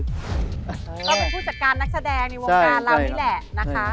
ก็เป็นผู้จัดการนักแสดงในวงการเรานี่แหละนะคะ